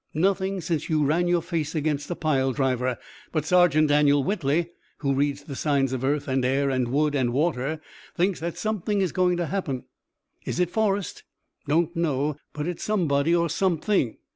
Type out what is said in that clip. "Nothing since you ran your face against a pile driver, but Sergeant Daniel Whitley, who reads the signs of earth and air and wood and water, thinks that something is going to happen." "Is it Forrest?" "Don't know, but it's somebody or something.